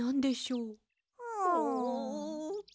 うん。